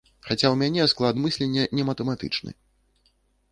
Хаця ў мяне склад мыслення не матэматычны.